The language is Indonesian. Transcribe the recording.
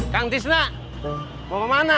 kang tisna mau kemana